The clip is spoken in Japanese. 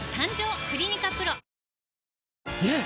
ねえ‼